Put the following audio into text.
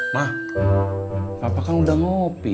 ma bapak kan udah ngopi